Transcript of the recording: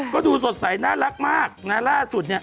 ก็ดูสดใสนะรักมากหน้าล่าสุด